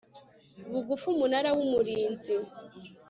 bugufi Umunara w Umurinzi